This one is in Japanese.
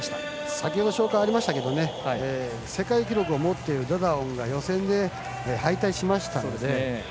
先ほど紹介がありましたが世界記録を持っているダダオンが予選で敗退しましたので。